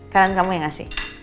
karyawan kamu ya gak sih